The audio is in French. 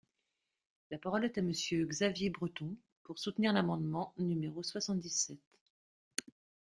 La parole est à Monsieur Xavier Breton, pour soutenir l’amendement numéro soixante-dix-sept.